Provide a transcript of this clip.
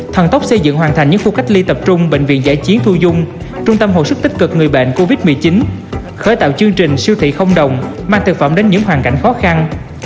thần tốc xây dựng hoàn thành những khu cách ly tập trung bệnh viện giải chiến thu dung trung tâm hồi sức tích cực người bệnh covid một mươi chín khởi tạo chương trình siêu thị không đồng mang thực phẩm đến những hoàn cảnh khó khăn